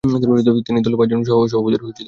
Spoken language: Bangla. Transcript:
তিনি দলের পাঁচজন সহসভাপতির অন্যতম হন।